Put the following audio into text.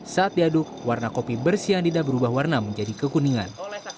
saat diaduk warna kopi bersianida berubah warna menjadi kekuningan